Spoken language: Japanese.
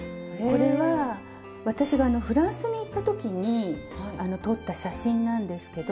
これは私がフランスに行った時に撮った写真なんですけど。